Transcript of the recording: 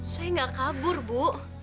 saya gak kabur bu